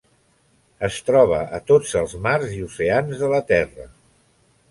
Es troba a tots els mars i oceans de la Terra.